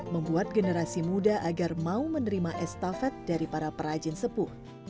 membuat generasi muda agar mau menerima estafet dari para perajin sepuh